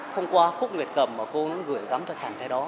thông qua khúc nguyệt cầm mà cô gửi gắm cho chàng trai đó